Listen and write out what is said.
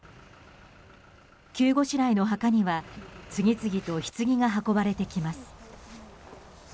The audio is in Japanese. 急ごしらえの墓には次々とひつぎが運ばれてきます。